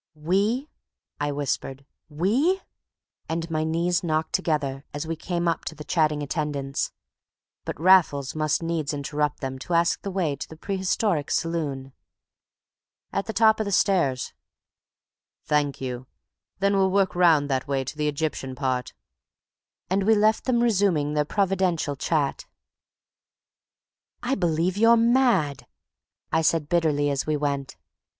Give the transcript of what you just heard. "We!" I whispered. "We!" And my knees knocked together as we came up to the chatting attendants. But Raffles must needs interrupt them to ask the way to the Prehistoric Saloon. "At the top of the stairs." "Thank you. Then we'll work round that way to the Egyptian part." And we left them resuming their providential chat. "I believe you're mad," I said bitterly as we went.